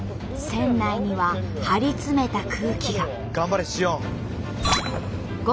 船内には張り詰めた空気が。